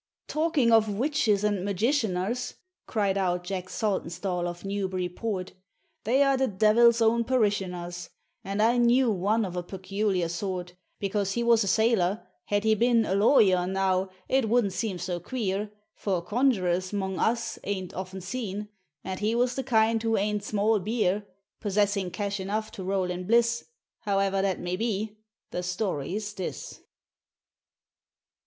"Talkin' of witches and magicianers," Cried out Jack Saltonstall of Newbury port, "They are the devil's own parishioners, And I knew one of a peculiar sort, Because he was a sailor—had he been A lawyer, now, it wouldn't seem so queer: For conjurers 'mong us ain't often seen, And he was of the kind who ain't small beer, Possessing cash enough to roll in bliss: However that may be, the story's this."